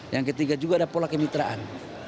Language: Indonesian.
yang ketiga juga ada pola kemitraan